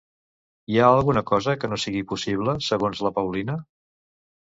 Hi ha alguna cosa que no sigui possible, segons la Paulina?